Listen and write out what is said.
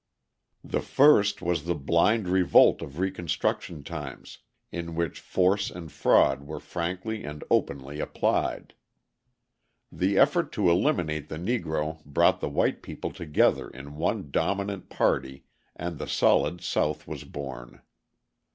The first was the blind revolt of Reconstruction times, in which force and fraud were frankly and openly applied. The effort to eliminate the Negro brought the white people together in one dominant party and the "Solid South" was born.